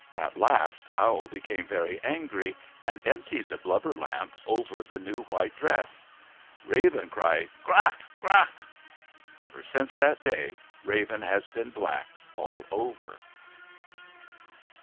At last Owl became very angry and emptied the blubber lamp over the new white dress. Raven cried, " Qaq ! Qaq !' Ever since that day Raven has been black all over.